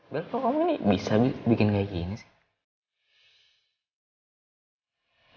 bel kok kamu ini bisa bikin kayak gini sih